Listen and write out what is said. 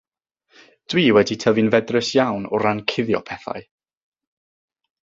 Dwi wedi tyfu'n fedrus iawn o ran cuddio pethau.